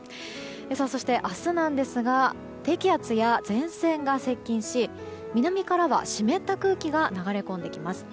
そして明日なんですが低気圧や前線が接近し南からは湿った空気が流れ込んできます。